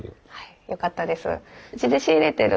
よかったです。